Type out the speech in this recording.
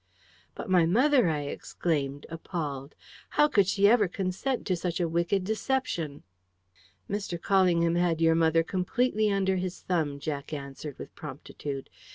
"But my mother!" I exclaimed, appalled. "How could she ever consent to such a wicked deception?" "Mr. Callingham had your mother completely under his thumb," Jack answered with promptitude.